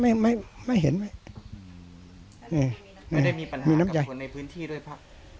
ไม่ได้มีปัญหาความผลในพื้นที่ด้วยนะ